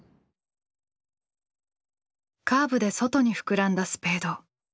カーブで外に膨らんだスペード。